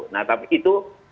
nah tapi itu